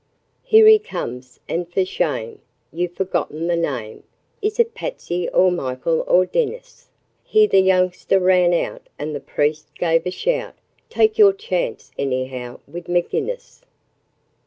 'Here he comes, and for shame! ye've forgotten the name Is it Patsy or Michael or Dinnis?' Here the youngster ran out, and the priest gave a shout 'Take your chance, anyhow, wid 'Maginnis'!'